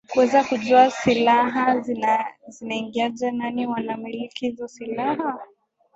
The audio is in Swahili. kuweza kujua silaha zinaiingiaje nani wanamiliki hizo silaha